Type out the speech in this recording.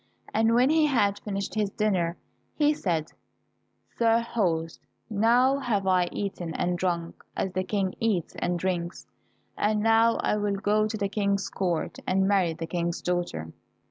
And when he had finished his dinner, he said, "Sir host, now have I eaten and drunk, as the King eats and drinks, and now I will go to the King's court and marry the King's daughter."